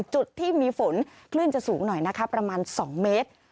ถ่ายจุดที่มีฝนคลื่นจะสูงหน่อยนะครับประมาณสองเมตร